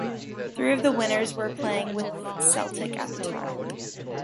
Three of the winners were playing with Celtic at the time.